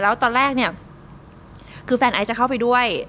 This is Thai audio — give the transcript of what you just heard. แล้วตอนแรกเนี่ยคือแฟนไอซ์จะเข้าไปด้วย